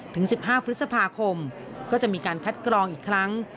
ถึง๑๕พฤษภาคมก็จะมีการคัดกรองอีกครั้ง